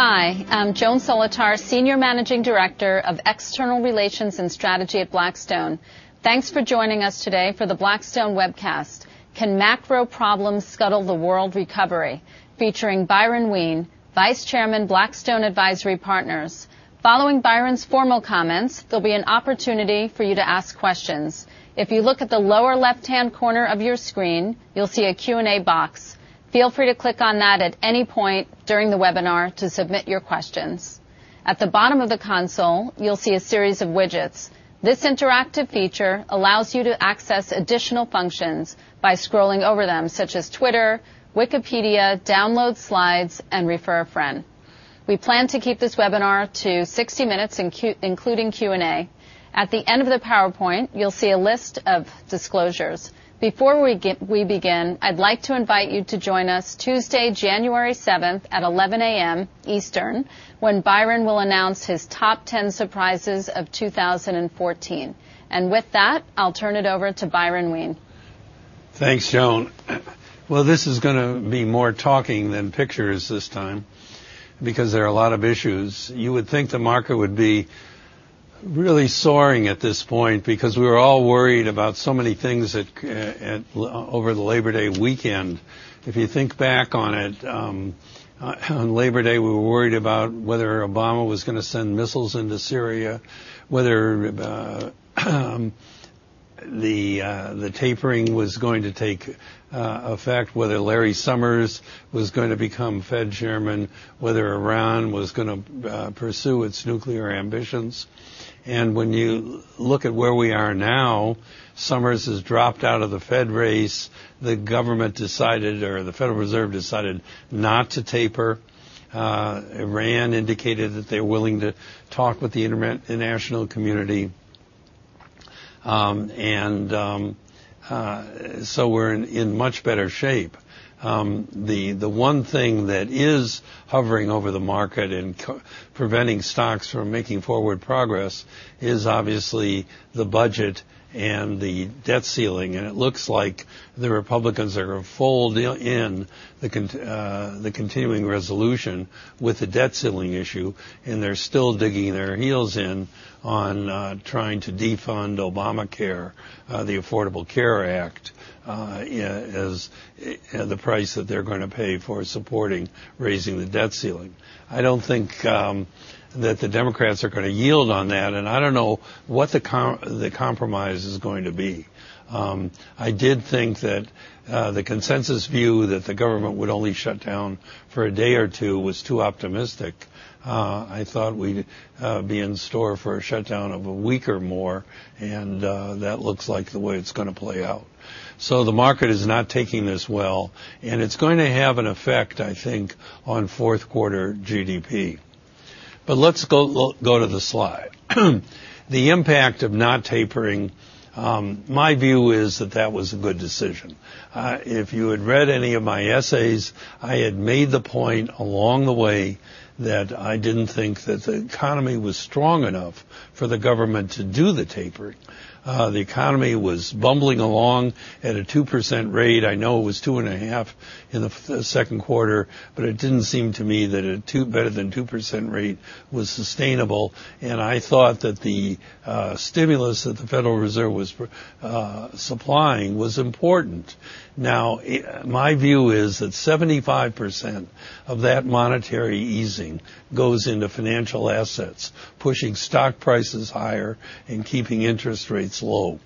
Hi, I'm Joan Solotar, Senior Managing Director of External Relations and Strategy at Blackstone. Thanks for joining us today for the Blackstone webcast, "Can Macro Problems Scuttle the World Recovery?" featuring Byron Wien, Vice Chairman, Blackstone Advisory Partners. Following Byron's formal comments, there'll be an opportunity for you to ask questions. If you look at the lower left-hand corner of your screen, you'll see a Q&A box. Feel free to click on that at any point during the webinar to submit your questions. At the bottom of the console, you'll see a series of widgets. This interactive feature allows you to access additional functions by scrolling over them, such as Twitter, Wikipedia, download slides, and refer a friend. We plan to keep this webinar to 60 minutes, including Q&A. At the end of the PowerPoint, you'll see a list of disclosures. Before we begin, I'd like to invite you to join us Tuesday, January 7th at 11:00 A.M. Eastern, when Byron will announce his top 10 surprises of 2014. With that, I'll turn it over to Byron Wien. Thanks, Joan. Well, this is going to be more talking than pictures this time because there are a lot of issues. You would think the market would be really soaring at this point, because we were all worried about so many things over the Labor Day weekend. If you think back on it, on Labor Day, we were worried about whether Obama was going to send missiles into Syria, whether the tapering was going to take effect, whether Larry Summers was going to become Fed chairman, whether Iran was going to pursue its nuclear ambitions. When you look at where we are now, Summers has dropped out of the Fed race. The government decided, or the Federal Reserve decided not to taper. Iran indicated that they're willing to talk with the international community. So we're in much better shape. The one thing that is hovering over the market and preventing stocks from making forward progress is obviously the budget and the debt ceiling. It looks like the Republicans are going to fold in the continuing resolution with the debt ceiling issue, and they're still digging their heels in on trying to defund Obamacare, the Affordable Care Act, as the price that they're going to pay for supporting raising the debt ceiling. I don't think that the Democrats are going to yield on that, and I don't know what the compromise is going to be. I did think that the consensus view that the government would only shut down for a day or two was too optimistic. I thought we'd be in store for a shutdown of a week or more, and that looks like the way it's going to play out. The market is not taking this well, and it's going to have an effect, I think, on fourth quarter GDP. Let's go to the slide. The impact of not tapering. My view is that that was a good decision. If you had read any of my essays, I had made the point along the way that I didn't think that the economy was strong enough for the government to do the taper. The economy was bumbling along at a 2% rate. I know it was 2.5% in the second quarter, but it didn't seem to me that a better than 2% rate was sustainable, and I thought that the stimulus that the Federal Reserve was supplying was important. My view is that 75% of that monetary easing goes into financial assets, pushing stock prices higher and keeping interest rates low.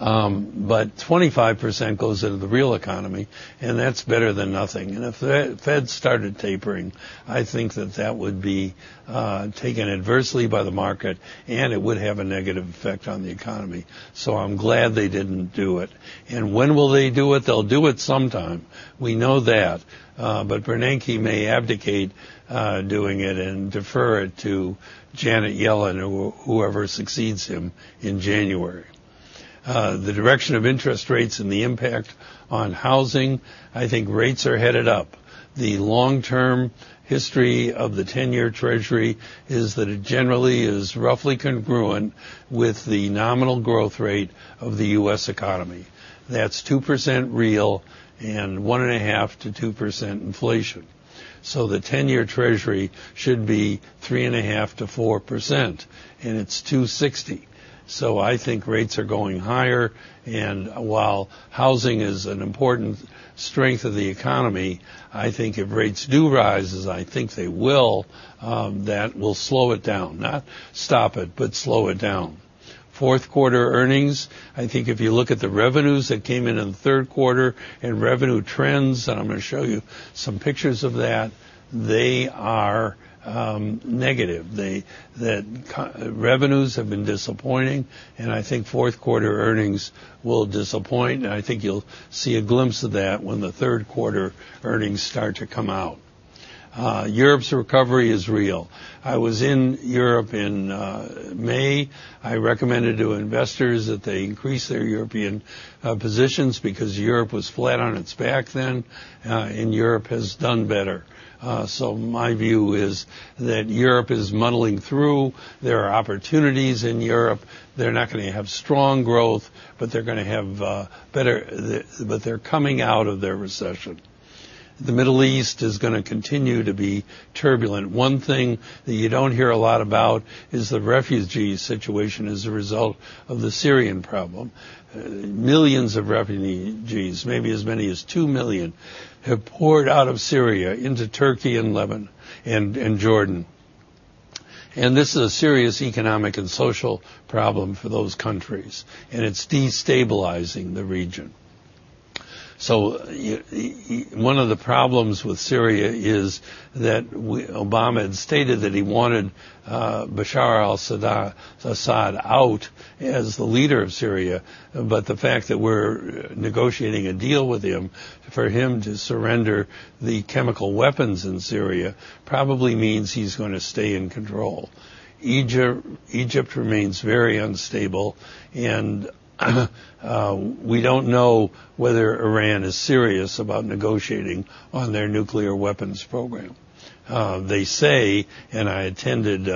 25% goes into the real economy, and that's better than nothing. If the Fed started tapering, I think that that would be taken adversely by the market, and it would have a negative effect on the economy. I'm glad they didn't do it. When will they do it? They'll do it sometime, we know that. Bernanke may abdicate doing it and defer it to Janet Yellen or whoever succeeds him in January. The direction of interest rates and the impact on housing, I think rates are headed up. The long-term history of the 10-year treasury is that it generally is roughly congruent with the nominal growth rate of the U.S. economy. That's 2% real and 1.5%-2% inflation. The 10-year treasury should be 3.5%-4%, and it's 2.60%. I think rates are going higher, and while housing is an important strength of the economy, I think if rates do rise, as I think they will, that will slow it down. Not stop it, but slow it down. Fourth quarter earnings, I think if you look at the revenues that came in in the third quarter and revenue trends, and I'm going to show you some pictures of that, they are negative. The revenues have been disappointing, and I think fourth quarter earnings will disappoint. I think you'll see a glimpse of that when the third quarter earnings start to come out. Europe's recovery is real. I was in Europe in May. I recommended to investors that they increase their European positions because Europe was flat on its back then, and Europe has done better. My view is that Europe is muddling through. There are opportunities in Europe. They're not going to have strong growth, but they're coming out of their recession. The Middle East is going to continue to be turbulent. One thing that you don't hear a lot about is the refugee situation as a result of the Syrian problem. Millions of refugees, maybe as many as 2 million, have poured out of Syria into Turkey and Jordan. This is a serious economic and social problem for those countries, and it's destabilizing the region. One of the problems with Syria is that Obama had stated that he wanted Bashar al-Assad out as the leader of Syria. The fact that we're negotiating a deal with him, for him to surrender the chemical weapons in Syria, probably means he's going to stay in control. Egypt remains very unstable. We don't know whether Iran is serious about negotiating on their nuclear weapons program. They say, and I attended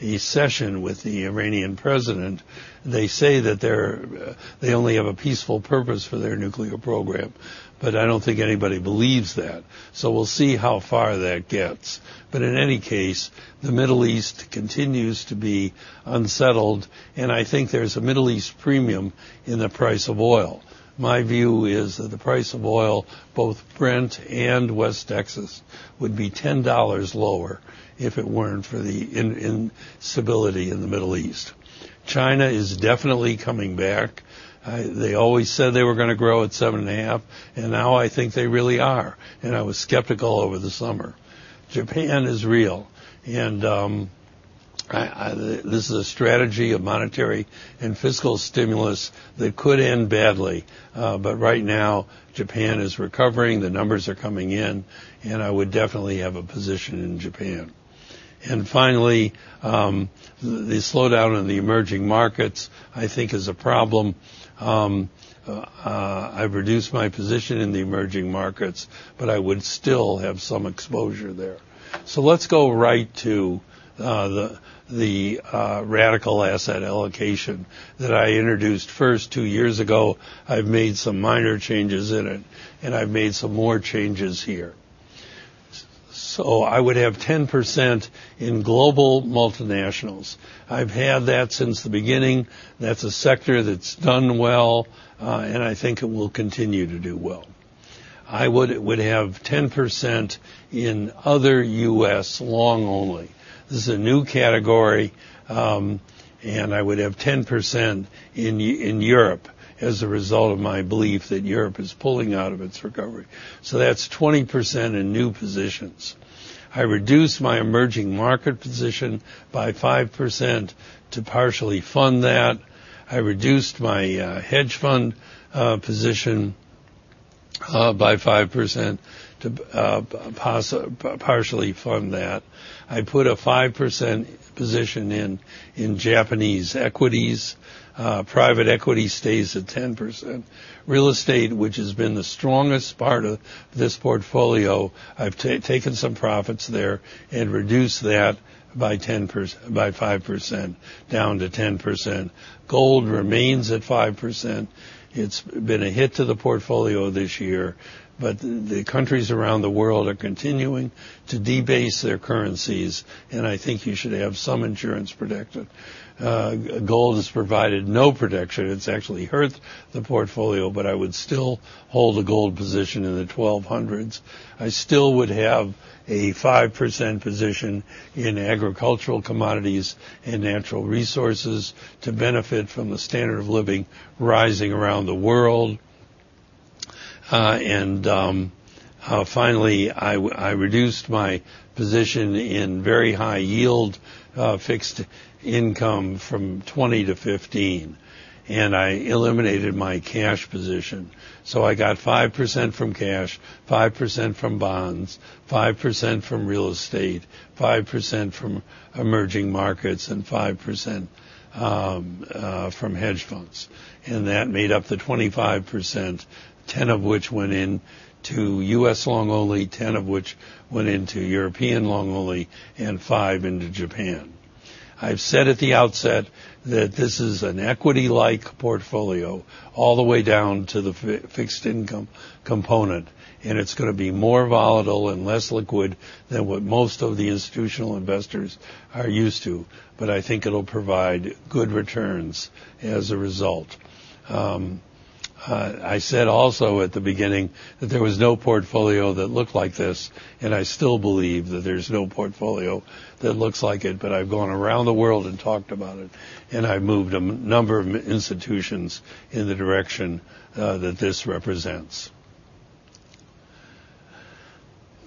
a session with the Iranian president, they say that they only have a peaceful purpose for their nuclear program. I don't think anybody believes that. We'll see how far that gets. In any case, the Middle East continues to be unsettled, and I think there's a Middle East premium in the price of oil. My view is that the price of oil, both Brent and West Texas, would be $10 lower if it weren't for the instability in the Middle East. China is definitely coming back. They always said they were going to grow at 7.5%, and now I think they really are. I was skeptical over the summer. Japan is real. This is a strategy of monetary and fiscal stimulus that could end badly. Right now, Japan is recovering. The numbers are coming in, and I would definitely have a position in Japan. Finally, the slowdown in the emerging markets, I think, is a problem. I've reduced my position in the emerging markets, but I would still have some exposure there. Let's go right to the radical asset allocation that I introduced first two years ago. I've made some minor changes in it, and I've made some more changes here. I would have 10% in global multinationals. I've had that since the beginning. That's a sector that's done well, and I think it will continue to do well. I would have 10% in other U.S. long only. This is a new category. I would have 10% in Europe as a result of my belief that Europe is pulling out of its recovery. That's 20% in new positions. I reduced my emerging market position by 5% to partially fund that. I reduced my hedge fund position by 5% to partially fund that. I put a 5% position in Japanese equities. Private equity stays at 10%. Real estate, which has been the strongest part of this portfolio, I've taken some profits there and reduced that by 5%, down to 10%. Gold remains at 5%. It's been a hit to the portfolio this year. The countries around the world are continuing to debase their currencies, and I think you should have some insurance protection. Gold has provided no protection. It's actually hurt the portfolio, but I would still hold a gold position in the 1,200s. I still would have a 5% position in agricultural commodities and natural resources to benefit from the standard of living rising around the world. Finally, I reduced my position in very high-yield fixed income from 20 to 15. I eliminated my cash position. I got 5% from cash, 5% from bonds, 5% from real estate, 5% from emerging markets, and 5% from hedge funds. That made up the 25%, 10 of which went into U.S. long only, 10 of which went into European long only, and five into Japan. I've said at the outset that this is an equity-like portfolio all the way down to the fixed income component. It's going to be more volatile and less liquid than what most of the institutional investors are used to. I think it'll provide good returns as a result. I said also at the beginning that there was no portfolio that looked like this, I still believe that there's no portfolio that looks like it. I've gone around the world and talked about it, and I've moved a number of institutions in the direction that this represents.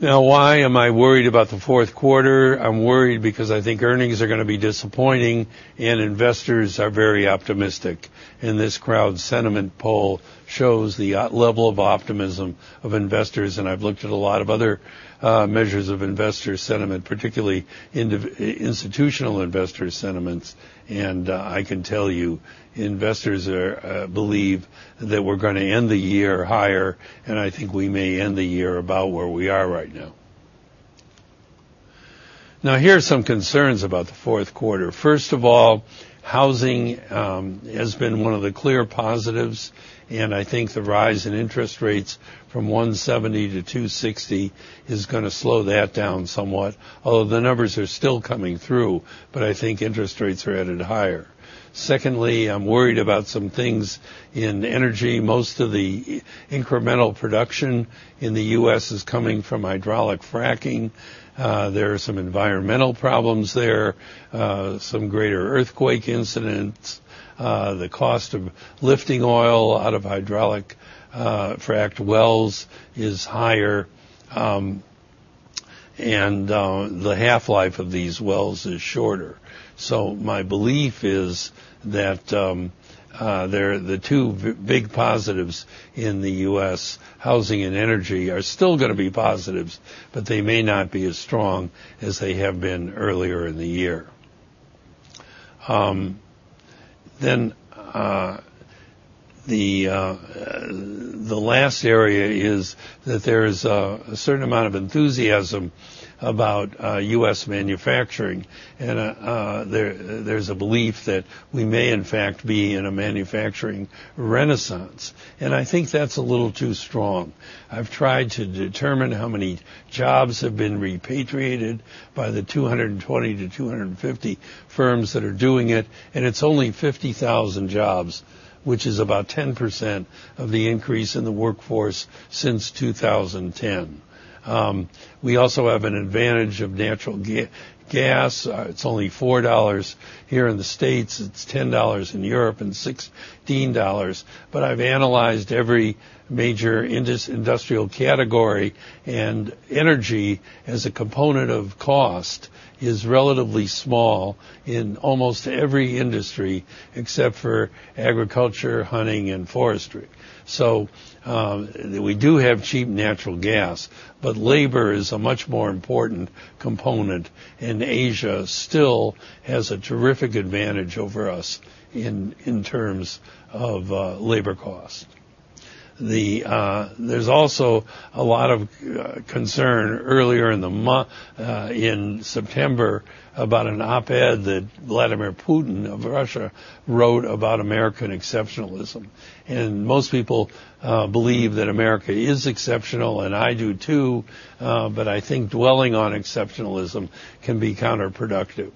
Why am I worried about the fourth quarter? I'm worried because I think earnings are going to be disappointing and investors are very optimistic. This crowd sentiment poll shows the level of optimism of investors, and I've looked at a lot of other measures of investor sentiment, particularly institutional investor sentiments. I can tell you, investors believe that we're going to end the year higher, and I think we may end the year about where we are right now. Here are some concerns about the fourth quarter. First of all, housing has been one of the clear positives, I think the rise in interest rates from 170 to 260 is going to slow that down somewhat, although the numbers are still coming through. I think interest rates are headed higher. Secondly, I'm worried about some things in energy. Most of the incremental production in the U.S. is coming from hydraulic fracturing. There are some environmental problems there, some greater earthquake incidents. The cost of lifting oil out of hydraulic-fractured wells is higher, and the half-life of these wells is shorter. My belief is that the two big positives in the U.S., housing and energy, are still going to be positives, but they may not be as strong as they have been earlier in the year. The last area is that there's a certain amount of enthusiasm about U.S. manufacturing, there's a belief that we may, in fact, be in a manufacturing renaissance, I think that's a little too strong. I've tried to determine how many jobs have been repatriated by the 220 to 250 firms that are doing it's only 50,000 jobs, which is about 10% of the increase in the workforce since 2010. We also have an advantage of natural gas. It's only $4 here in the States. It's $10 in Europe and $16. I've analyzed every major industrial category, energy as a component of cost is relatively small in almost every industry except for agriculture, hunting, and forestry. We do have cheap natural gas, labor is a much more important component, Asia still has a terrific advantage over us in terms of labor cost. There was also a lot of concern earlier in September about an op-ed that Vladimir Putin of Russia wrote about American exceptionalism. Most people believe that America is exceptional, I do too, I think dwelling on exceptionalism can be counterproductive.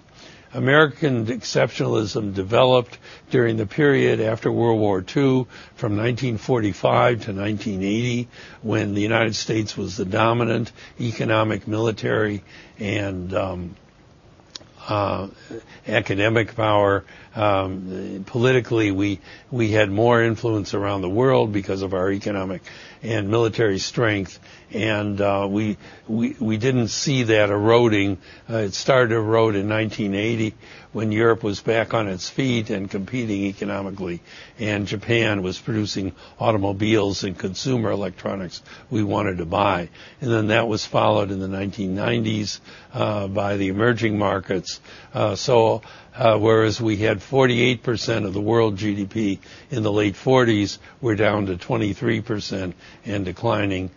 American exceptionalism developed during the period after World War II from 1945 to 1980, when the United States was the dominant economic, military, and academic power. Politically, we had more influence around the world because of our economic and military strength, we didn't see that eroding. It started to erode in 1980, when Europe was back on its feet and competing economically, Japan was producing automobiles and consumer electronics we wanted to buy. That was followed in the 1990s by the emerging markets. So whereas we had 48% of the world GDP in the late 1940s, we're down to 23% and declining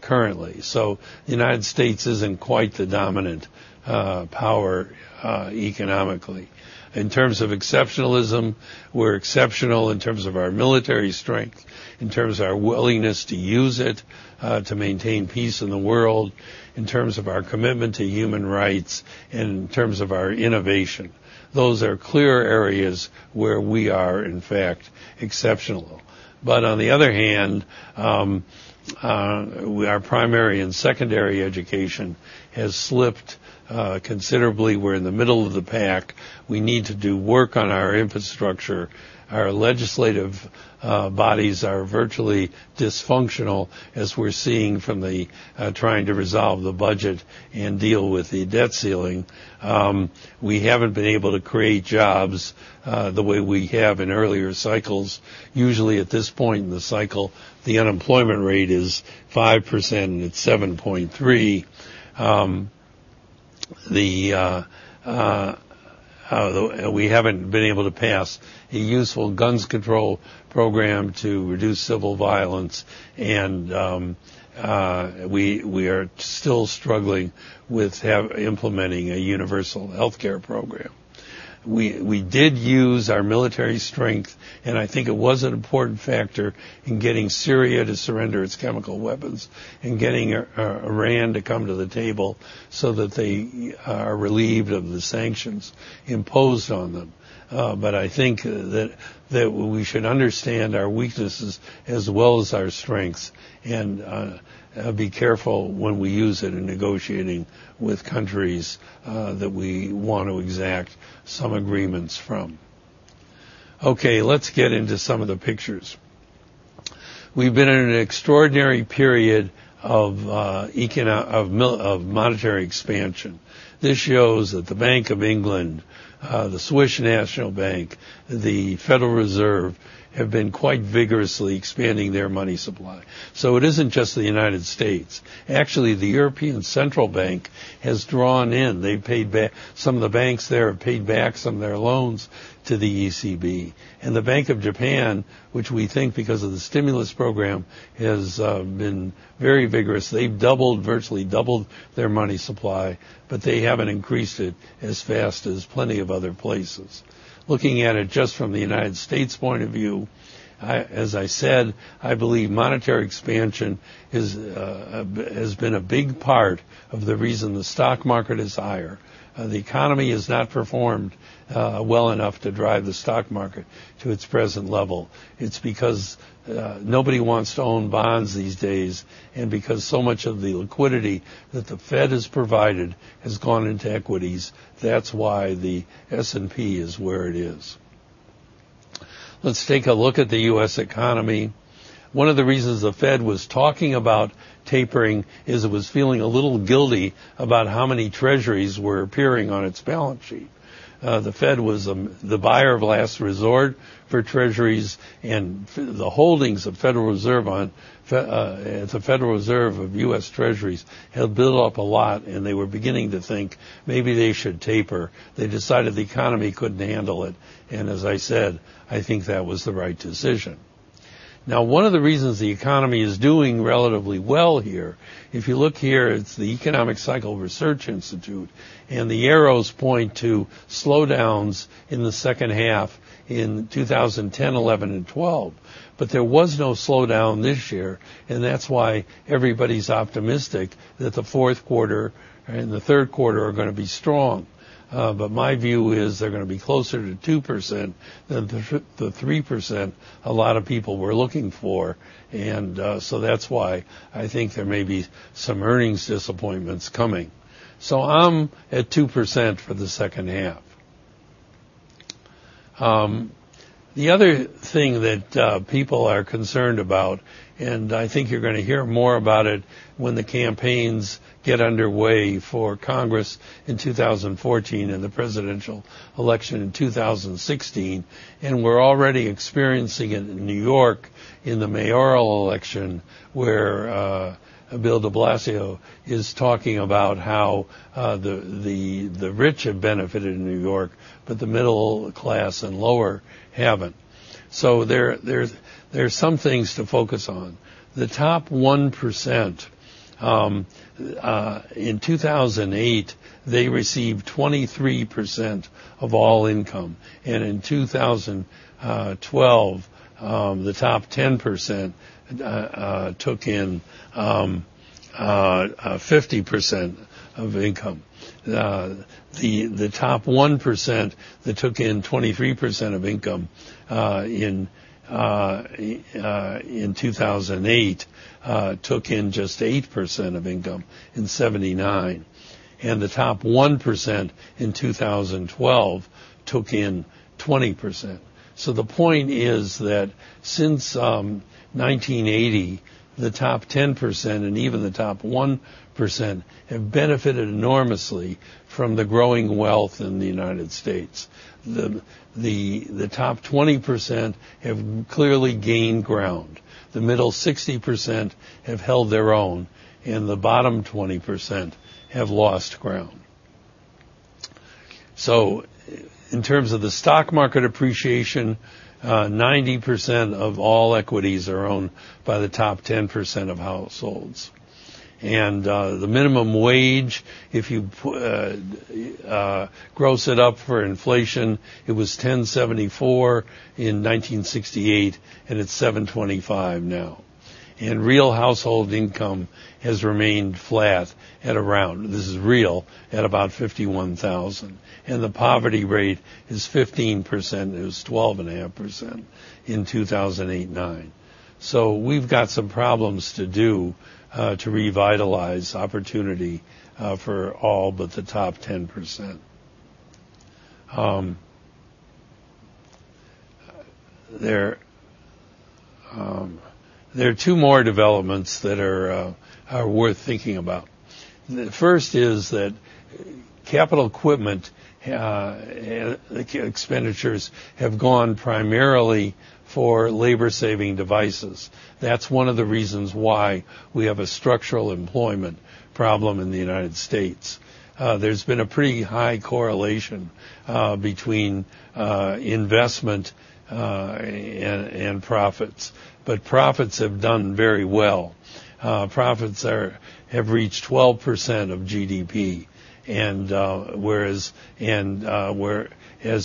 currently. The United States isn't quite the dominant power economically. In terms of exceptionalism, we're exceptional in terms of our military strength, in terms of our willingness to use it to maintain peace in the world, in terms of our commitment to human rights, and in terms of our innovation. Those are clear areas where we are, in fact, exceptional. But on the other hand, our primary and secondary education has slipped considerably. We're in the middle of the pack. We need to do work on our infrastructure. Our legislative bodies are virtually dysfunctional, as we're seeing from trying to resolve the budget and deal with the debt ceiling. We haven't been able to create jobs the way we have in earlier cycles. Usually at this point in the cycle, the unemployment rate is 5%, and it's 7.3. We haven't been able to pass a useful guns control program to reduce civil violence, and we are still struggling with implementing a universal healthcare program. We did use our military strength, and I think it was an important factor in getting Syria to surrender its chemical weapons and getting Iran to come to the table so that they are relieved of the sanctions imposed on them. But I think that we should understand our weaknesses as well as our strengths and be careful when we use it in negotiating with countries that we want to exact some agreements from. Let's get into some of the pictures. We've been in an extraordinary period of monetary expansion. This shows that the Bank of England, the Swiss National Bank, the Federal Reserve have been quite vigorously expanding their money supply. It isn't just the United States. Actually, the European Central Bank has drawn in. Some of the banks there have paid back some of their loans to the ECB. And the Bank of Japan, which we think because of the stimulus program, has been very vigorous. They've virtually doubled their money supply, but they haven't increased it as fast as plenty of other places. Looking at it just from the United States point of view, as I said, I believe monetary expansion has been a big part of the reason the stock market is higher. The economy has not performed well enough to drive the stock market to its present level. Because nobody wants to own bonds these days, and because so much of the liquidity that the Fed has provided has gone into equities. That's why the S&P is where it is. Let's take a look at the U.S. economy. One of the reasons the Fed was talking about tapering is it was feeling a little guilty about how many treasuries were appearing on its balance sheet. The Fed was the buyer of last resort for treasuries, and the holdings of the Federal Reserve of U.S. treasuries had built up a lot, and they were beginning to think maybe they should taper. They decided the economy couldn't handle it, and as I said, I think that was the right decision. One of the reasons the economy is doing relatively well here, if you look here, it's the Economic Cycle Research Institute, the arrows point to slowdowns in the second half in 2010, 2011, and 2012. There was no slowdown this year. That's why everybody's optimistic that the fourth quarter and the third quarter are going to be strong. My view is they're going to be closer to 2% than the 3% a lot of people were looking for. That's why I think there may be some earnings disappointments coming. I'm at 2% for the second half. The other thing that people are concerned about, I think you're going to hear more about it when the campaigns get underway for Congress in 2014 and the presidential election in 2016, we're already experiencing it in New York in the mayoral election, where Bill de Blasio is talking about how the rich have benefited in New York, the middle class and lower haven't. There's some things to focus on. The top 1%, in 2008, they received 23% of all income, in 2012, the top 10% took in 50% of income. The top 1% that took in 23% of income in 2008 took in just 8% of income in 1979. The top 1% in 2012 took in 20%. The point is that since 1980, the top 10%, and even the top 1%, have benefited enormously from the growing wealth in the United States. The top 20% have clearly gained ground. The middle 60% have held their own, the bottom 20% have lost ground. In terms of the stock market appreciation, 90% of all equities are owned by the top 10% of households. The minimum wage, if you gross it up for inflation, it was $10.74 in 1968, it's $7.25 now. Real household income has remained flat at around, this is real, at about $51,000, the poverty rate is 15%. It was 12.5% in 2008 and 2009. We've got some problems to do to revitalize opportunity for all but the top 10%. There are two more developments that are worth thinking about. The first is that capital equipment expenditures have gone primarily for labor-saving devices. That's one of the reasons why we have a structural employment problem in the United States. There's been a pretty high correlation between investment and profits have done very well. Profits have reached 12% of GDP, whereas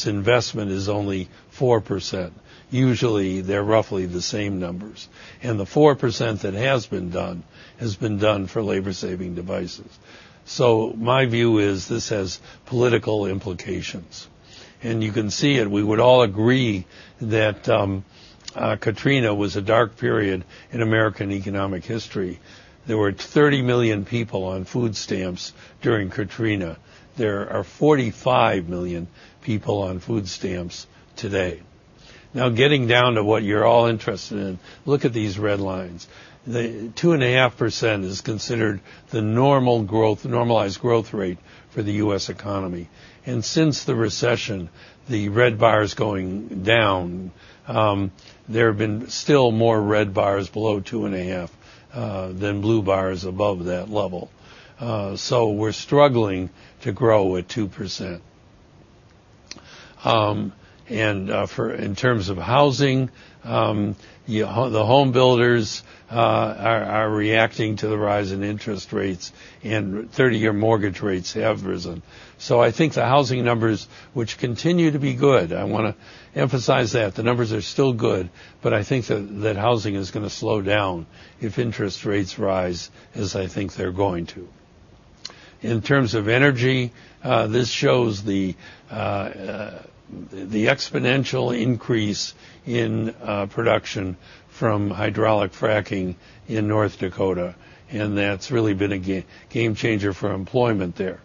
investment is only 4%. Usually, they're roughly the same numbers. The 4% that has been done, has been done for labor-saving devices. My view is this has political implications, you can see it. We would all agree that Katrina was a dark period in American economic history. There were 30 million people on food stamps during Katrina. There are 45 million people on food stamps today. Getting down to what you're all interested in, look at these red lines. The 2.5% is considered the normalized growth rate for the U.S. economy. Since the recession, the red bar is going down. There have been still more red bars below two and a half than blue bars above that level. We're struggling to grow at 2%. In terms of housing, the home builders are reacting to the rise in interest rates, and 30-year mortgage rates have risen. I think the housing numbers, which continue to be good, I want to emphasize that the numbers are still good, but I think that housing is going to slow down if interest rates rise, as I think they're going to. In terms of energy, this shows the exponential increase in production from hydraulic fracking in North Dakota, and that's really been a game-changer for employment there.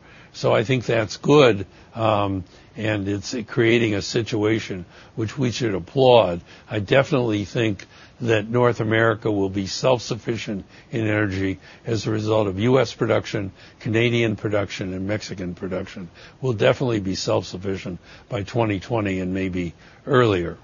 I think that's good, and it's creating a situation which we should applaud. I definitely think that North America will be self-sufficient in energy as a result of U.S. production, Canadian production, and Mexican production. We'll definitely be self-sufficient by 2020 and maybe earlier.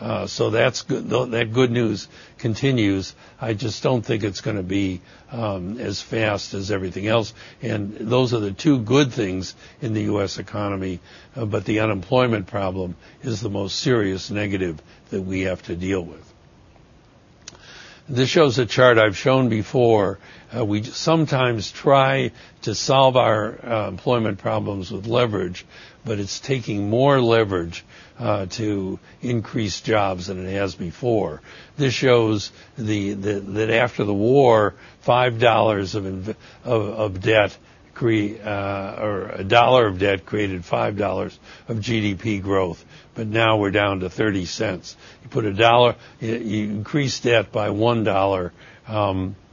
That good news continues. I just don't think it's going to be as fast as everything else. Those are the two good things in the U.S. economy, but the unemployment problem is the most serious negative that we have to deal with. This shows a chart I've shown before. We sometimes try to solve our employment problems with leverage, but it's taking more leverage to increase jobs than it has before. This shows that after the war, a dollar of debt created $5 of GDP growth. But now we're down to $0.30. You increase debt by $1, and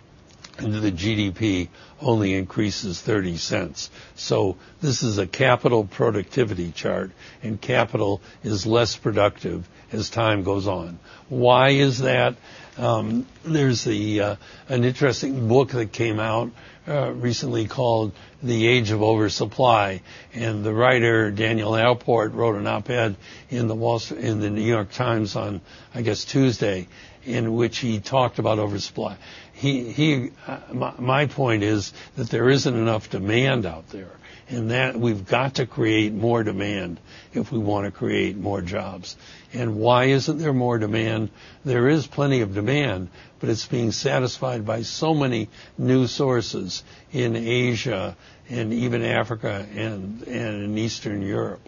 the GDP only increases $0.30. This is a capital productivity chart, and capital is less productive as time goes on. Why is that? There's an interesting book that came out recently called "The Age of Oversupply", and the writer, Daniel Alpert, wrote an op-ed in "The New York Times" on, I guess, Tuesday, in which he talked about oversupply. My point is that there isn't enough demand out there, and that we've got to create more demand if we want to create more jobs. Why isn't there more demand? There is plenty of demand, but it's being satisfied by so many new sources in Asia and even Africa and in Eastern Europe,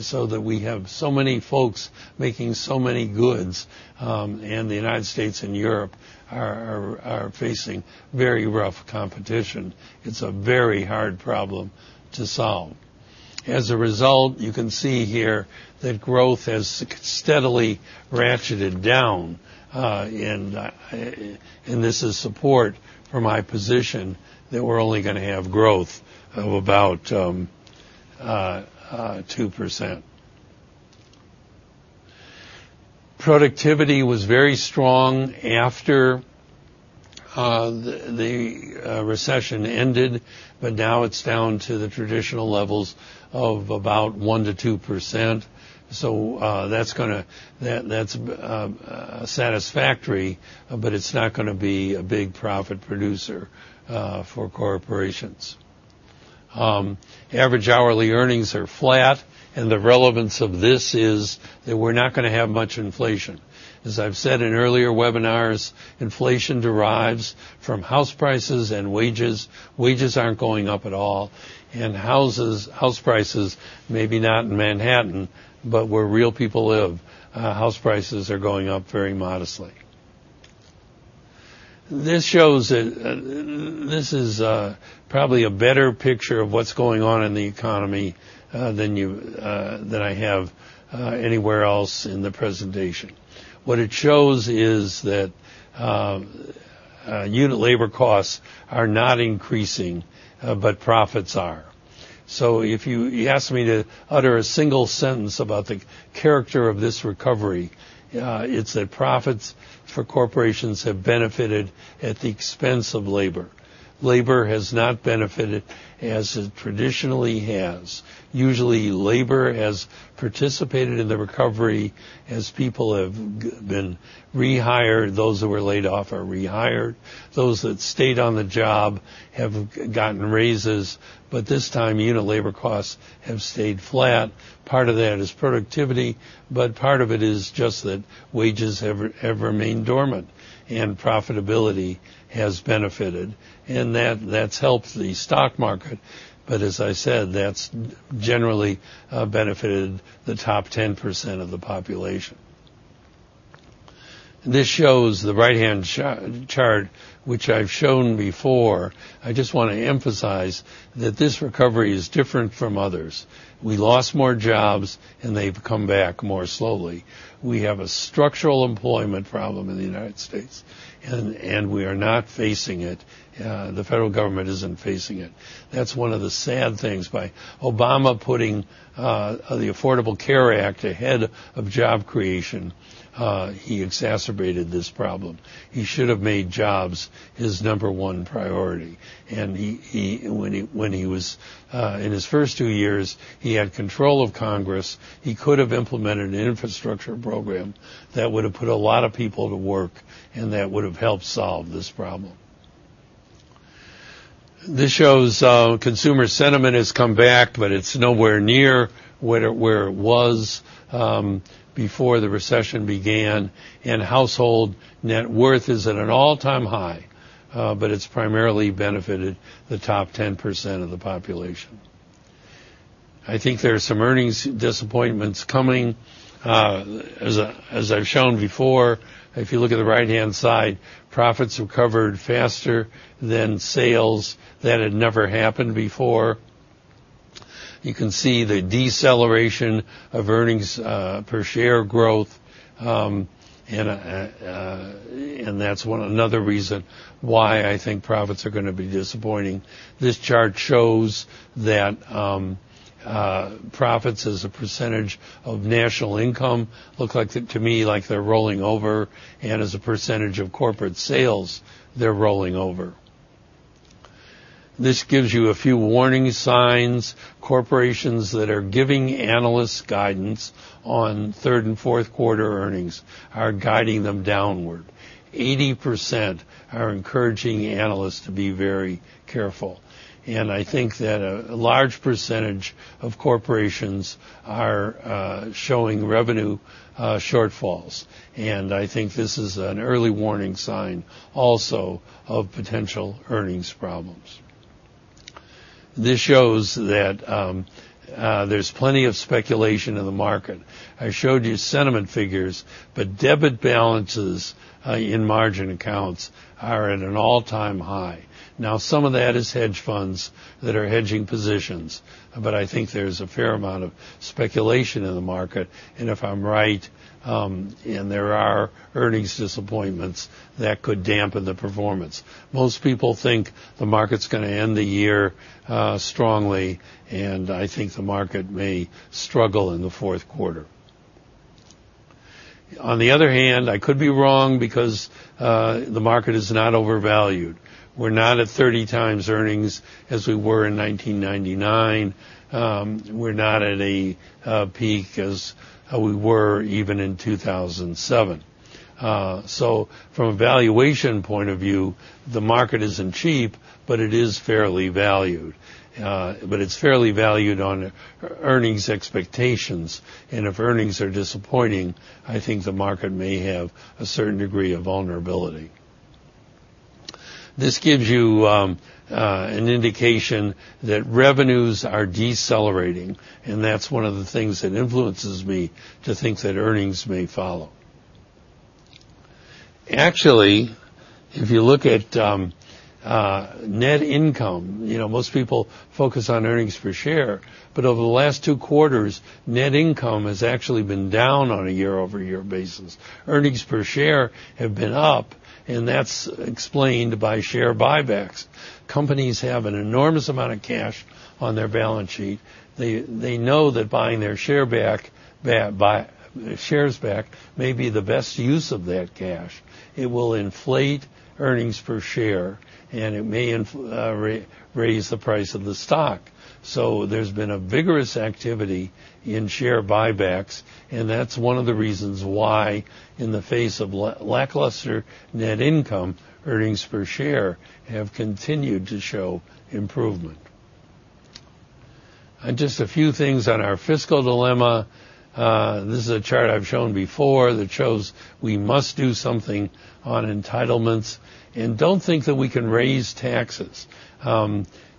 so that we have so many folks making so many goods, and the United States and Europe are facing very rough competition. It's a very hard problem to solve. As a result, you can see here that growth has steadily ratcheted down, and this is support for my position that we're only going to have growth of about 2%. Productivity was very strong after the recession ended, but now it's down to the traditional levels of about 1%-2%. That's satisfactory, but it's not going to be a big profit producer for corporations. Average hourly earnings are flat, and the relevance of this is that we're not going to have much inflation. As I've said in earlier webinars, inflation derives from house prices and wages. Wages aren't going up at all, and house prices, maybe not in Manhattan, but where real people live, house prices are going up very modestly. This is probably a better picture of what's going on in the economy than I have anywhere else in the presentation. What it shows is that unit labor costs are not increasing, but profits are. If you ask me to utter a single sentence about the character of this recovery, it's that profits for corporations have benefited at the expense of labor. Labor has not benefited as it traditionally has. Usually, labor has participated in the recovery as people have been rehired, those who were laid off are rehired. Those that stayed on the job have gotten raises, but this time unit labor costs have stayed flat. Part of that is productivity, but part of it is just that wages have remained dormant, and profitability has benefited, and that's helped the stock market. As I said, that's generally benefited the top 10% of the population. This shows the right-hand chart, which I've shown before. I just want to emphasize that this recovery is different from others. We lost more jobs, and they've come back more slowly. We have a structural employment problem in the United States, and we are not facing it. The federal government isn't facing it. That's one of the sad things. By Obama putting the Affordable Care Act ahead of job creation, he exacerbated this problem. He should have made jobs his number 1 priority. In his first two years, he had control of Congress. He could have implemented an infrastructure program that would have put a lot of people to work and that would have helped solve this problem. This shows consumer sentiment has come back, but it's nowhere near where it was before the recession began, and household net worth is at an all-time high, but it's primarily benefited the top 10% of the population. I think there are some earnings disappointments coming. As I've shown before, if you look at the right-hand side, profits recovered faster than sales. That had never happened before. You can see the deceleration of earnings per share growth, and that's another reason why I think profits are going to be disappointing. This chart shows that profits as a percentage of national income look to me like they're rolling over, and as a percentage of corporate sales, they're rolling over. This gives you a few warning signs. Corporations that are giving analysts guidance on third and fourth quarter earnings are guiding them downward. 80% are encouraging analysts to be very careful. I think that a large percentage of corporations are showing revenue shortfalls, and I think this is an early warning sign also of potential earnings problems. This shows that there's plenty of speculation in the market. I showed you sentiment figures, but debit balances in margin accounts are at an all-time high. Some of that is hedge funds that are hedging positions, but I think there's a fair amount of speculation in the market, and if I'm right, and there are earnings disappointments, that could dampen the performance. Most people think the market's going to end the year strongly, and I think the market may struggle in the fourth quarter. On the other hand, I could be wrong because the market is not overvalued. We're not at 30 times earnings as we were in 1999. We're not at a peak as we were even in 2007. From a valuation point of view, the market isn't cheap, but it is fairly valued. It's fairly valued on earnings expectations, and if earnings are disappointing, I think the market may have a certain degree of vulnerability. This gives you an indication that revenues are decelerating, that's one of the things that influences me to think that earnings may follow. Actually, if you look at net income, most people focus on earnings per share, over the last two quarters, net income has actually been down on a year-over-year basis. Earnings per share have been up, that's explained by share buybacks. Companies have an enormous amount of cash on their balance sheet. They know that buying their shares back may be the best use of that cash. It will inflate earnings per share, it may raise the price of the stock. There's been a vigorous activity in share buybacks, that's one of the reasons why, in the face of lackluster net income, earnings per share have continued to show improvement. Just a few things on our fiscal dilemma. This is a chart I've shown before that shows we must do something on entitlements and don't think that we can raise taxes.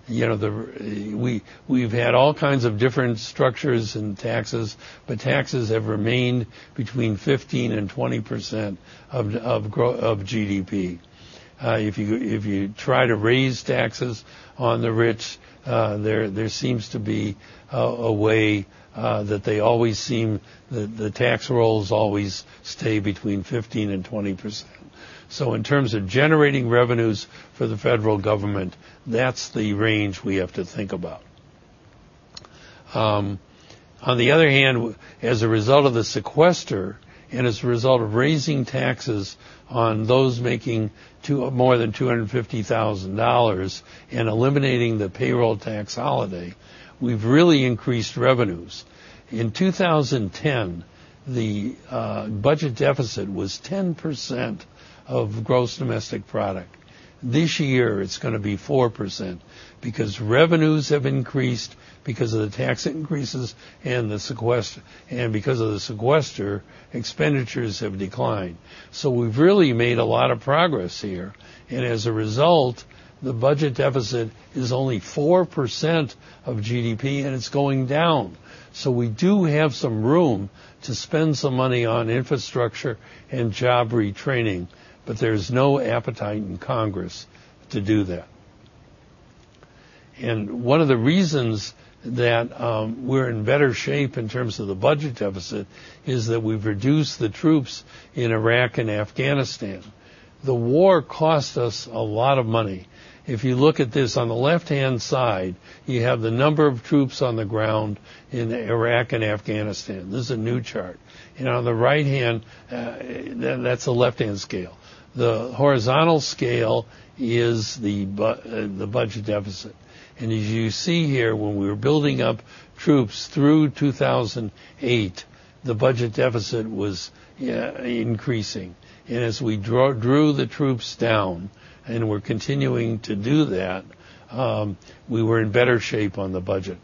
We've had all kinds of different structures and taxes have remained between 15%-20% of GDP. If you try to raise taxes on the rich, there seems to be a way that the tax rolls always stay between 15%-20%. In terms of generating revenues for the federal government, that's the range we have to think about. On the other hand, as a result of the sequester and as a result of raising taxes on those making more than $250,000 and eliminating the payroll tax holiday, we've really increased revenues. In 2010, the budget deficit was 10% of gross domestic product. This year, it's going to be 4% because revenues have increased because of the tax increases and the sequester, because of the sequester, expenditures have declined. We've really made a lot of progress here, as a result, the budget deficit is only 4% of GDP, it's going down. We do have some room to spend some money on infrastructure and job retraining, there's no appetite in Congress to do that. One of the reasons that we're in better shape in terms of the budget deficit is that we've reduced the troops in Iraq and Afghanistan. The war cost us a lot of money. If you look at this on the left-hand side, you have the number of troops on the ground in Iraq and Afghanistan. This is a new chart. On the right hand, that's a left-hand scale. The horizontal scale is the budget deficit. As you see here, when we were building up troops through 2008, the budget deficit was increasing. As we drew the troops down, we're continuing to do that, we were in better shape on the budget.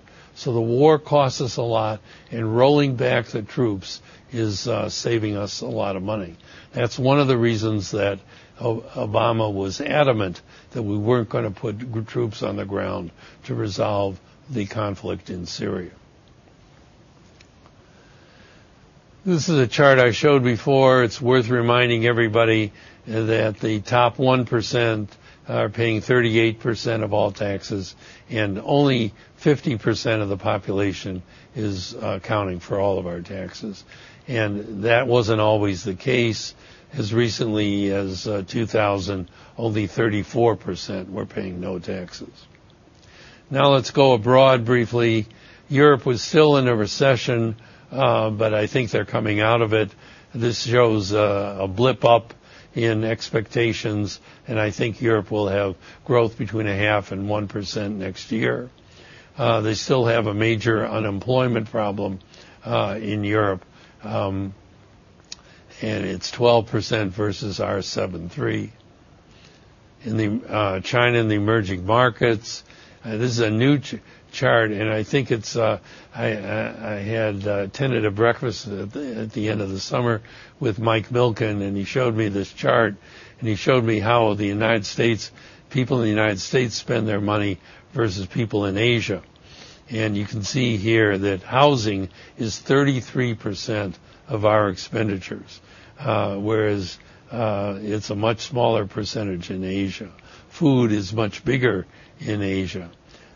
The war cost us a lot, rolling back the troops is saving us a lot of money. That's one of the reasons that Obama was adamant that we weren't going to put troops on the ground to resolve the conflict in Syria. This is a chart I showed before. It's worth reminding everybody that the top 1% are paying 38% of all taxes, only 50% of the population is accounting for all of our taxes. That wasn't always the case. As recently as 2000, only 34% were paying no taxes. Now let's go abroad briefly. Europe was still in a recession, but I think they're coming out of it. This shows a blip up in expectations, I think Europe will have growth between 0.5% and 1% next year. They still have a major unemployment problem in Europe, It's 12% versus our 7.3. In China, in the emerging markets, this is a new chart, I had attended a breakfast at the end of the summer with Mike Milken, He showed me this chart, He showed me how people in the U.S. spend their money versus people in Asia. You can see here that housing is 33% of our expenditures, whereas it's a much smaller percentage in Asia. Food is much bigger in Asia.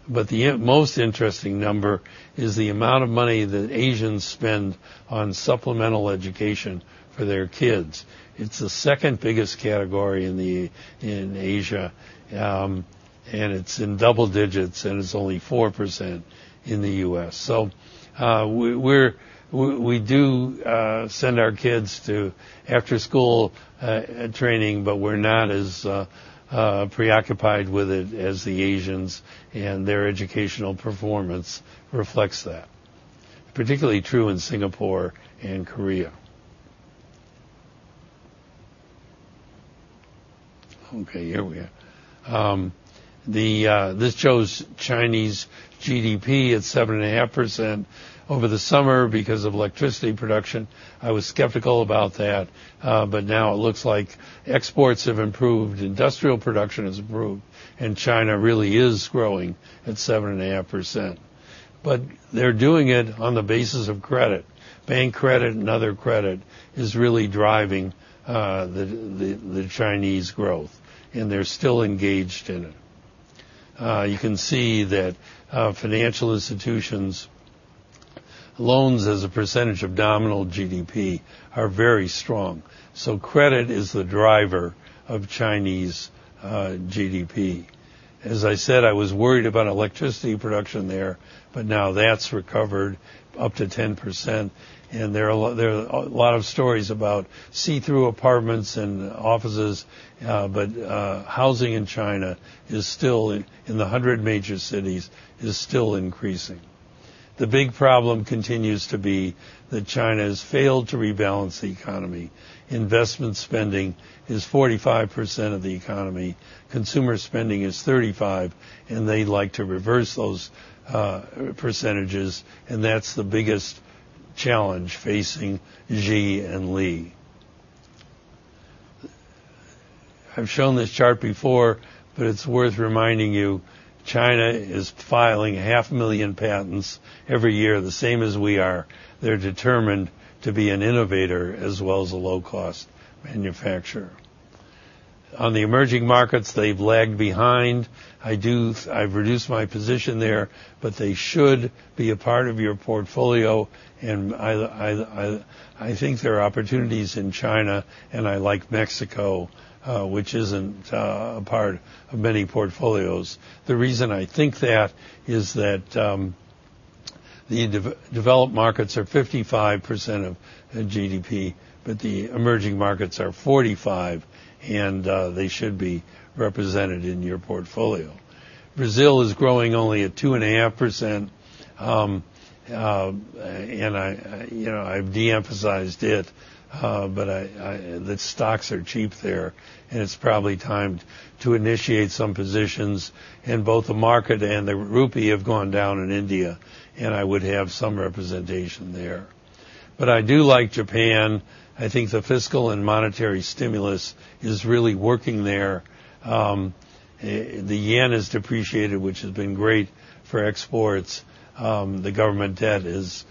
The most interesting number is the amount of money that Asians spend on supplemental education for their kids. It's the second biggest category in Asia, It's in double digits, It's only 4% in the U.S. We do send our kids to after-school training, We're not as preoccupied with it as the Asians, Their educational performance reflects that. Particularly true in Singapore and Korea. Okay, here we are. This shows Chinese GDP at 7.5% over the summer because of electricity production. I was skeptical about that, Now it looks like exports have improved, industrial production has improved, China really is growing at 7.5%. They're doing it on the basis of credit. Bank credit and other credit is really driving the Chinese growth, They're still engaged in it. You can see that financial institutions' loans as a percentage of nominal GDP are very strong. Credit is the driver of Chinese GDP. As I said, I was worried about electricity production there, Now that's recovered up to 10%, There are a lot of stories about see-through apartments and offices, Housing in China, in the 100 major cities, is still increasing. The big problem continues to be that China has failed to rebalance the economy. Investment spending is 45% of the economy, consumer spending is 35%, They'd like to reverse those percentages, That's the biggest challenge facing Xi and Li. I've shown this chart before, It's worth reminding you, China is filing half a million patents every year, the same as we are. They're determined to be an innovator as well as a low-cost manufacturer. On the emerging markets, they've lagged behind. I've reduced my position there, They should be a part of your portfolio, I think there are opportunities in China, I like Mexico, which isn't a part of many portfolios. The reason I think that is that the developed markets are 55% of GDP, The emerging markets are 45%, They should be represented in your portfolio. Brazil is growing only at 2.5%, I've de-emphasized it, The stocks are cheap there, It's probably time to initiate some positions, Both the market and the rupee have gone down in India, I would have some representation there. I do like Japan. I think the fiscal and monetary stimulus is really working there. The yen has depreciated, which has been great for exports. The government debt has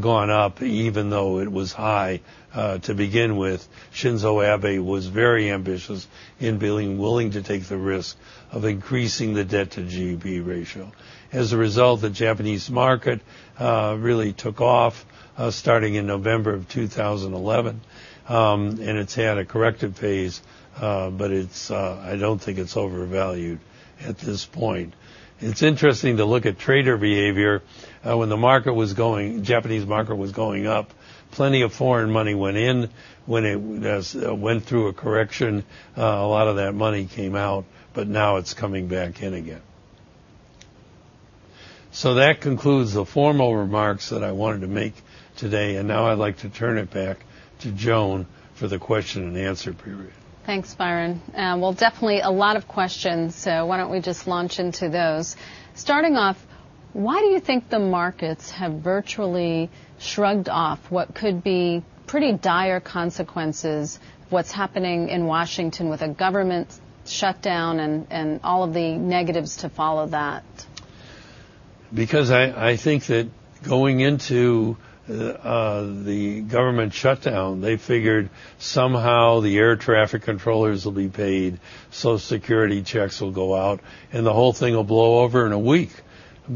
gone up, even though it was high to begin with. Shinzo Abe was very ambitious in being willing to take the risk of increasing the debt to GDP ratio. As a result, the Japanese market really took off starting in November of 2011, and it's had a corrective phase, but I don't think it's overvalued at this point. It's interesting to look at trader behavior. When the Japanese market was going up, plenty of foreign money went in. When it went through a correction, a lot of that money came out, but now it's coming back in again. That concludes the formal remarks that I wanted to make today, and now I'd like to turn it back to Joan for the question and answer period. Thanks, Byron. Well, definitely a lot of questions, why don't we just launch into those. Starting off, why do you think the markets have virtually shrugged off what could be pretty dire consequences, what's happening in Washington with a government shutdown and all of the negatives to follow that? I think that going into the government shutdown, they figured somehow the air traffic controllers will be paid, Social Security checks will go out, and the whole thing will blow over in a week.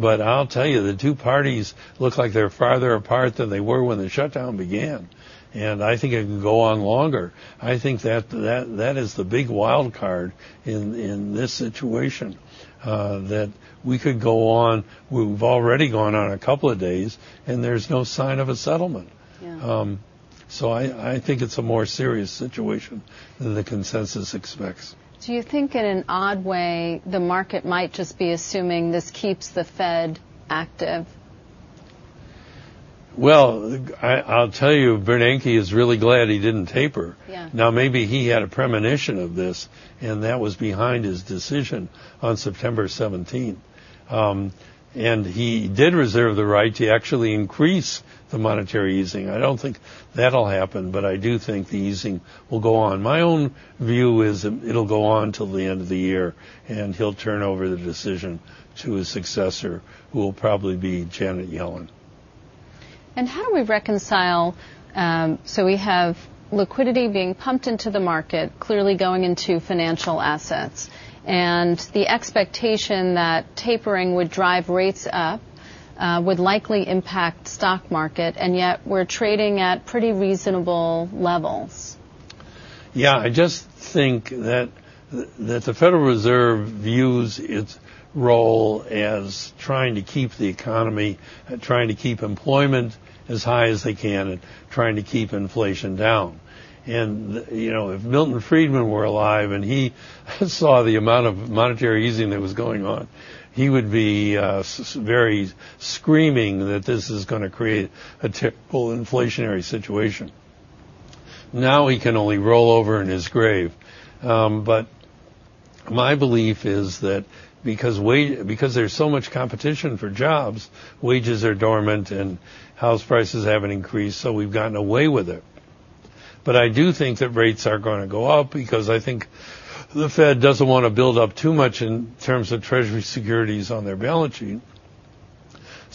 I'll tell you, the two parties look like they're farther apart than they were when the shutdown began, and I think it can go on longer. I think that is the big wild card in this situation, that we could go on. We've already gone on a couple of days, and there's no sign of a settlement. Yeah. I think it's a more serious situation than the consensus expects. Do you think, in an odd way, the market might just be assuming this keeps the Fed active? Well, I'll tell you, Bernanke is really glad he didn't taper. Yeah. Maybe he had a premonition of this, and that was behind his decision on September 17th. He did reserve the right to actually increase the monetary easing. I don't think that'll happen, but I do think the easing will go on. My own view is it'll go on till the end of the year, and he'll turn over the decision to his successor, who will probably be Janet Yellen. How do we reconcile, so we have liquidity being pumped into the market, clearly going into financial assets, and the expectation that tapering would drive rates up, would likely impact stock market, and yet we're trading at pretty reasonable levels. I just think that the Federal Reserve views its role as trying to keep the economy, trying to keep employment as high as they can, and trying to keep inflation down. If Milton Friedman were alive and he saw the amount of monetary easing that was going on, he would be screaming that this is going to create a typical inflationary situation. He can only roll over in his grave. My belief is that because there's so much competition for jobs, wages are dormant, and house prices haven't increased, so we've gotten away with it. I do think that rates are going to go up because I think the Fed doesn't want to build up too much in terms of Treasury securities on their balance sheet.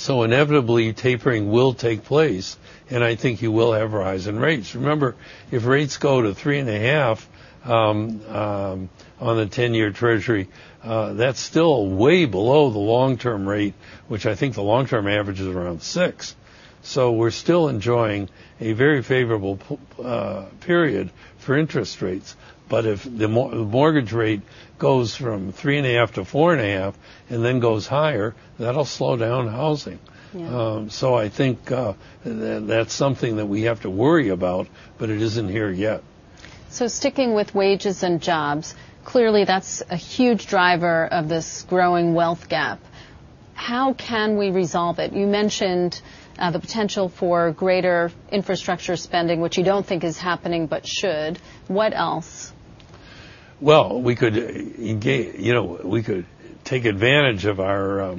Inevitably, tapering will take place, and I think you will have a rise in rates. Remember, if rates go to three and a half on the 10-year Treasury, that's still way below the long-term rate, which I think the long-term average is around six. We're still enjoying a very favorable period for interest rates. If the mortgage rate goes from three and a half to four and a half and then goes higher, that'll slow down housing. Yeah. I think that's something that we have to worry about, but it isn't here yet. Sticking with wages and jobs, clearly that's a huge driver of this growing wealth gap. How can we resolve it? You mentioned the potential for greater infrastructure spending, which you don't think is happening, but should. What else? Well, we could take advantage of our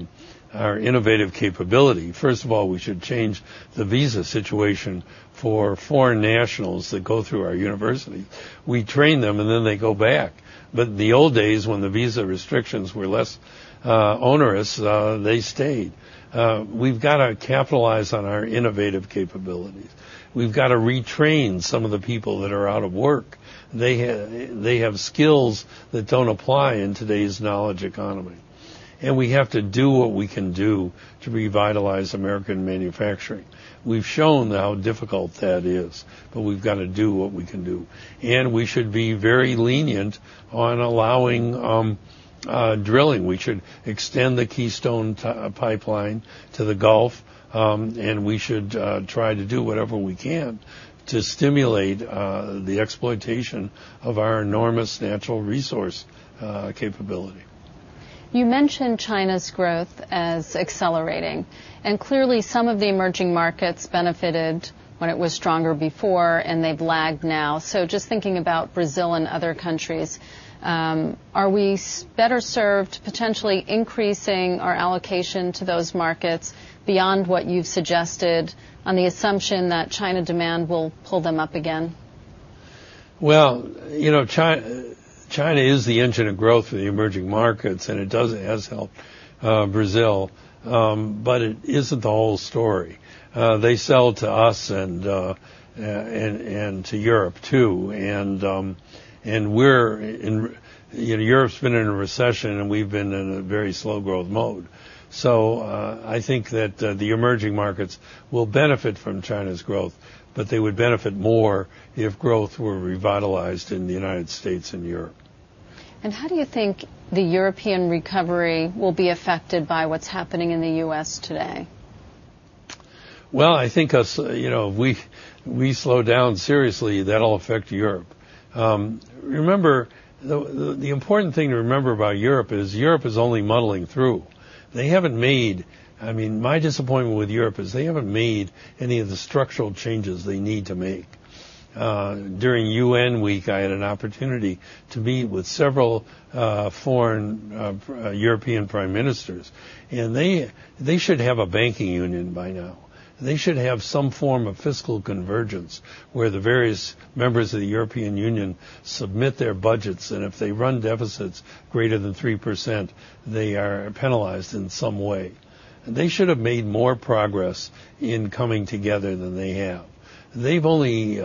innovative capability. First of all, we should change the visa situation for foreign nationals that go through our university. We train them, and then they go back. In the old days, when the visa restrictions were less onerous, they stayed. We've got to capitalize on our innovative capabilities. We've got to retrain some of the people that are out of work. They have skills that don't apply in today's knowledge economy. We have to do what we can do to revitalize American manufacturing. We've shown how difficult that is. We've got to do what we can do. We should be very lenient on allowing drilling. We should extend the Keystone Pipeline to the Gulf, and we should try to do whatever we can to stimulate the exploitation of our enormous natural resource capability. You mentioned China's growth as accelerating. Clearly some of the emerging markets benefited when it was stronger before, and they've lagged now. Just thinking about Brazil and other countries, are we better served potentially increasing our allocation to those markets beyond what you've suggested on the assumption that China demand will pull them up again? Well, China is the engine of growth in the emerging markets. It has helped Brazil. It isn't the whole story. They sell to us and to Europe too. Europe's been in a recession, and we've been in a very slow growth mode. I think that the emerging markets will benefit from China's growth, but they would benefit more if growth were revitalized in the United States and Europe. How do you think the European recovery will be affected by what's happening in the U.S. today? Well, I think if we slow down seriously, that'll affect Europe. The important thing to remember about Europe is Europe is only muddling through. My disappointment with Europe is they haven't made any of the structural changes they need to make. During UN week, I had an opportunity to meet with several foreign European prime ministers. They should have a banking union by now. They should have some form of fiscal convergence where the various members of the European Union submit their budgets, and if they run deficits greater than 3%, they are penalized in some way. They should have made more progress in coming together than they have. They've only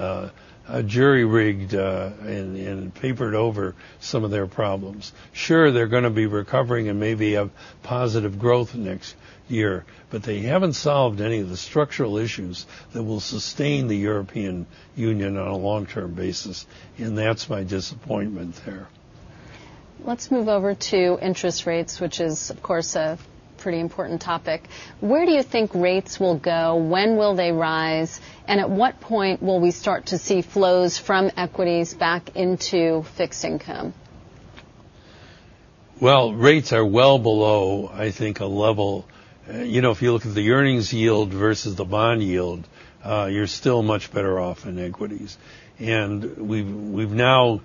jury-rigged and papered over some of their problems. Sure, they're going to be recovering and maybe have positive growth next year, but they haven't solved any of the structural issues that will sustain the European Union on a long-term basis, and that's my disappointment there. Let's move over to interest rates, which is, of course, a pretty important topic. Where do you think rates will go? When will they rise? At what point will we start to see flows from equities back into fixed income? Well, rates are well below, I think, a level. If you look at the earnings yield versus the bond yield, you're still much better off in equities. We've now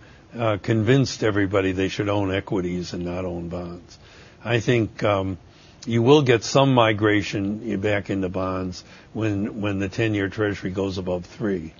convinced everybody they should own equities and not own bonds. I think you will get some migration back into bonds when the 10-year Treasury goes above three.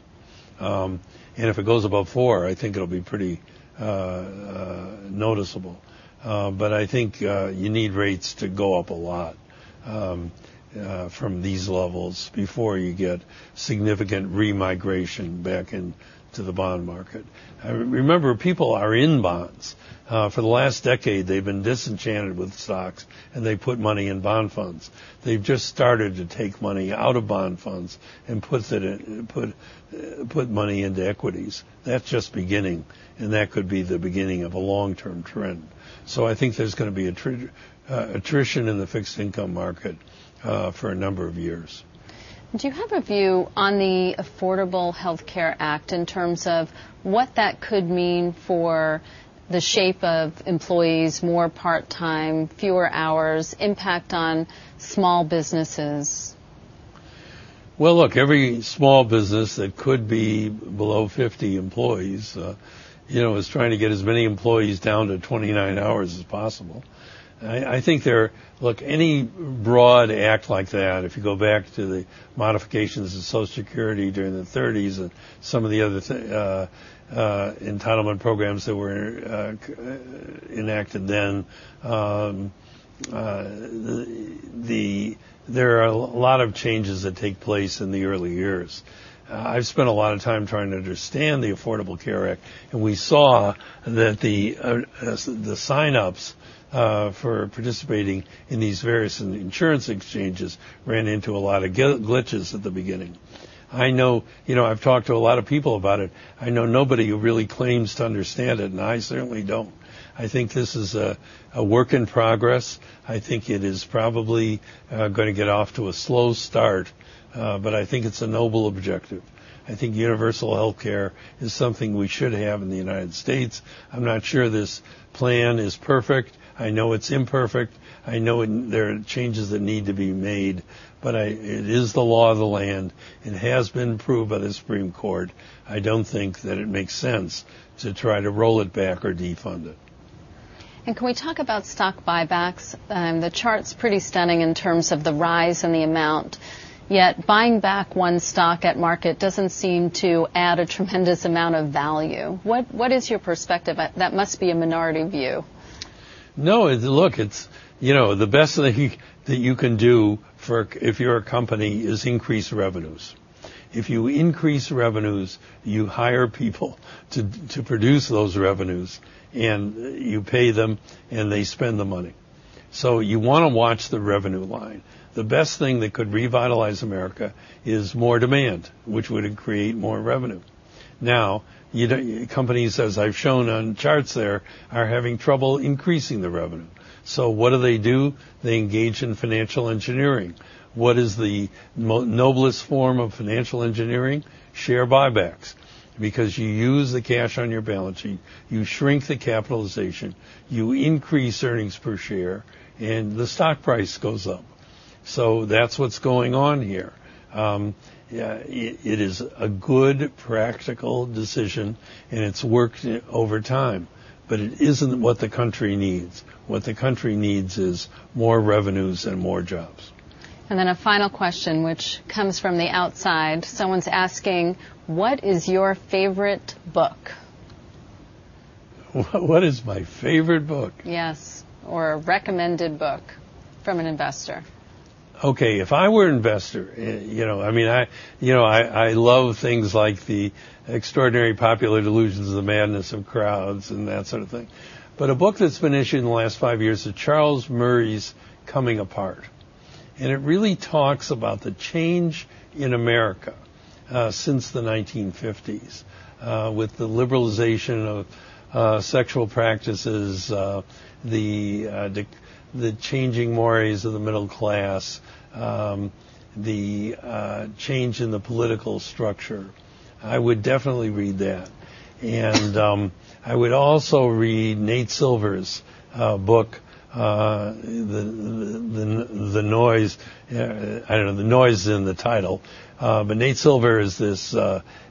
If it goes above four, I think it'll be pretty noticeable. But I think you need rates to go up a lot from these levels before you get significant re-migration back into the bond market. Remember, people are in bonds. For the last decade, they've been disenchanted with stocks, and they put money in bond funds. They've just started to take money out of bond funds and put money into equities. That's just beginning, and that could be the beginning of a long-term trend. I think there's going to be attrition in the fixed-income market for a number of years. Do you have a view on the Affordable Care Act in terms of what that could mean for the shape of employees, more part-time, fewer hours, impact on small businesses? Look, every small business that could be below 50 employees is trying to get as many employees down to 29 hours as possible. Look, any broad act like that, if you go back to the modifications of Social Security during the '30s and some of the other entitlement programs that were enacted then, there are a lot of changes that take place in the early years. I've spent a lot of time trying to understand the Affordable Care Act, we saw that the sign-ups for participating in these various insurance exchanges ran into a lot of glitches at the beginning. I've talked to a lot of people about it. I know nobody who really claims to understand it, I certainly don't. I think this is a work in progress. I think it is probably going to get off to a slow start, I think it's a noble objective. I think universal healthcare is something we should have in the United States. I'm not sure this plan is perfect. I know it's imperfect. I know there are changes that need to be made. It is the law of the land and has been approved by the Supreme Court. I don't think that it makes sense to try to roll it back or defund it. Can we talk about stock buybacks? The chart's pretty stunning in terms of the rise and the amount. Yet buying back one's stock at market doesn't seem to add a tremendous amount of value. What is your perspective? That must be a minority view. No, look, the best that you can do if you're a company is increase revenues. If you increase revenues, you hire people to produce those revenues, and you pay them, and they spend the money. You want to watch the revenue line. The best thing that could revitalize America is more demand, which would create more revenue. Companies, as I've shown on charts there, are having trouble increasing the revenue. What do they do? They engage in financial engineering. What is the noblest form of financial engineering? Share buybacks. Because you use the cash on your balance sheet, you shrink the capitalization, you increase earnings per share, and the stock price goes up. That's what's going on here. It is a good, practical decision, and it's worked over time. It isn't what the country needs. What the country needs is more revenues and more jobs. A final question, which comes from the outside. Someone's asking, what is your favorite book? What is my favorite book? Yes, or a recommended book from an investor. Okay. If I were an investor, I love things like the Extraordinary Popular Delusions of the Madness of Crowds and that sort of thing. A book that's been issued in the last five years is Charles Murray's "Coming Apart." It really talks about the change in America since the 1950s with the liberalization of sexual practices, the changing mores of the middle class, the change in the political structure. I would definitely read that. I would also read Nate Silver's book, "The Noise." I don't know. The noise is in the title. Nate Silver is this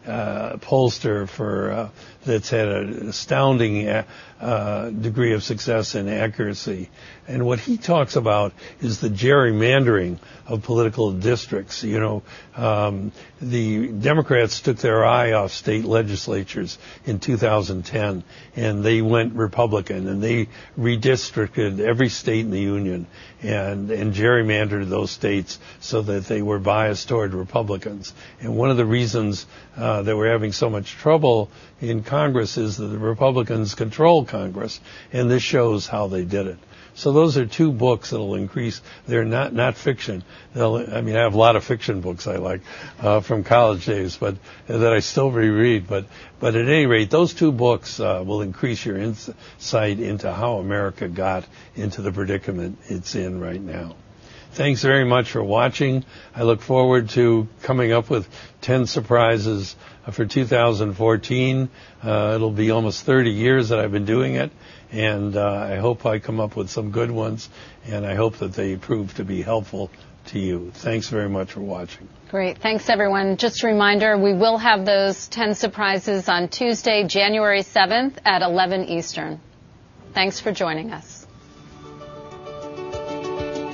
pollster that's had an astounding degree of success and accuracy, and what he talks about is the gerrymandering of political districts. The Democrats took their eye off state legislatures in 2010, and they went Republican, and they redistricted every state in the union and gerrymandered those states so that they were biased toward Republicans. One of the reasons they were having so much trouble in Congress is that the Republicans control Congress, and this shows how they did it. Those are two books that'll increase. They're not nonfiction. I have a lot of fiction books I like from college days that I still re-read. At any rate, those two books will increase your insight into how America got into the predicament it's in right now. Thanks very much for watching. I look forward to coming up with 10 surprises for 2014. It'll be almost 30 years that I've been doing it, and I hope I come up with some good ones, and I hope that they prove to be helpful to you. Thanks very much for watching. Great. Thanks, everyone. Just a reminder, we will have those 10 surprises on Tuesday, January 7th at 11 Eastern. Thanks for joining us.